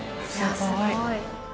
すごい。